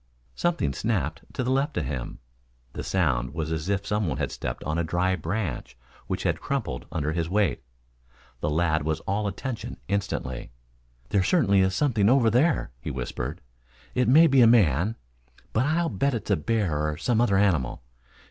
Something snapped to the left of him. The sound was as if some one had stepped on a dry branch which had crumpled under his weight. The lad was all attention instantly. "There certainly is something over there," he whispered. "It may be a man, but I'll bet it's a bear or some other animal.